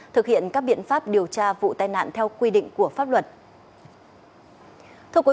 thực hiện các biện pháp điều tra vụ tai nạn theo quy định của pháp luật